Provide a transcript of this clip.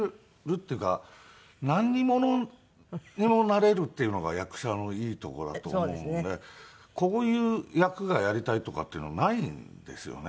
何者にもなれるっていうのが役者のいいとこだと思うんでこういう役がやりたいとかっていうのないんですよね。